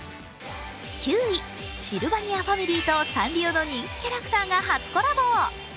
９位、シルバニアファミリーとサンリオの人気キャラクターが初コラボ。